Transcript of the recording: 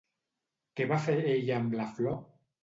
Què va fer ella amb la flor?